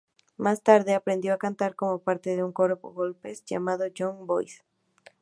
Más tarde, aprendió a cantar como parte de un coro gospel llamado Young Voices.